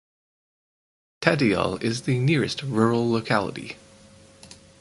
Tadiyal is the nearest rural locality.